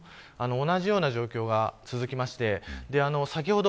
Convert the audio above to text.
同じような状況が続きまして先ほど